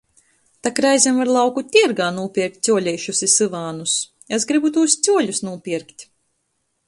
Tok reizem var lauku tiergā nūpierkt cuoleišus i syvānus. Es gribu tūs cuoļus nūpierkt!